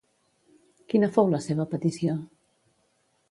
Quina fou la seva petició?